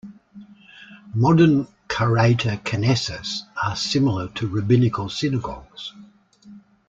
Modern Karaite kenesas are similar to Rabbinical synagogues.